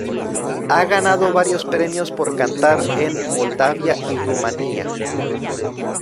Ha ganado varios premios por cantar en Moldavia y Rumanía.